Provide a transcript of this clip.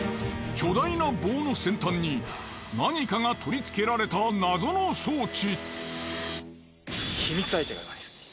巨大な棒の先端に何かが取り付けられた謎の装置。